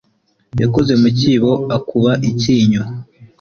Yakoze mu cyibo akuba icyinyo